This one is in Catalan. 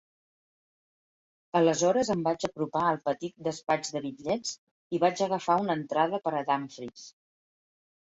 Aleshores em vaig apropar al petit despatx de bitllets i vaig agafar una entrada per a Dumfries.